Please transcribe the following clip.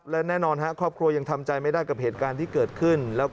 และแน่นอนเขายังทำใจไม่ได้เพิ่งเหตุการณ์ที่เกิดขึ้น